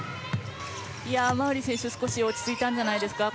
馬瓜選手、少し落ち着いたんじゃないですか？